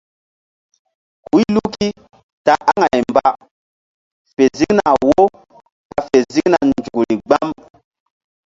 Huy luki ta aŋay mba fe ziŋna wo ɓa fe ziŋna nzukri gbam.